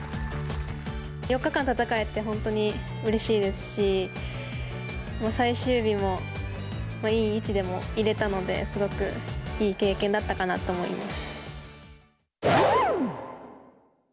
４日間戦えて本当にうれしいですし、最終日もいい位置でもいれたので、すごくいい経験だったかなと思います。